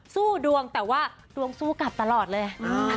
สู้ดวงแต่ว่าดวงสู้กลับตลอดเลย